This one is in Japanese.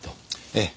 ええ。